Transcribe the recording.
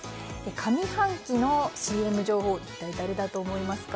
上半期のＣＭ女王一体誰だと思いますか。